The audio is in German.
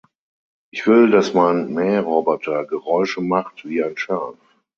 Ich will, dass mein Mähroboter Geräusche macht wie ein Schaf.